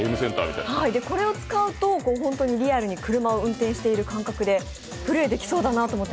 これを使うと、リアルに車を運転してる感覚でプレーできそうだなと思って